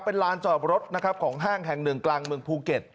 เป็นร้านจอดรถของแห้งแห่งหนึ่งกลางเมืองภูเก็ต